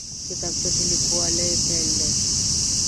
کتابچه د لیکوالۍ پیل دی